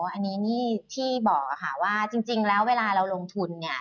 อันนี้นี่ที่บอกค่ะว่าจริงแล้วเวลาเราลงทุนเนี่ย